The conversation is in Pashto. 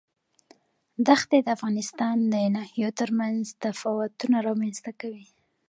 دښتې د افغانستان د ناحیو ترمنځ تفاوتونه رامنځ ته کوي.